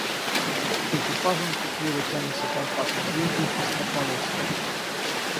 За экипажем крикливо тянется толпа созвездий пестрополосая.